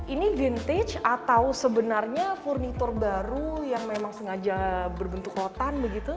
ini vintage atau sebenarnya furnitur baru yang memang sengaja berbentuk rotan begitu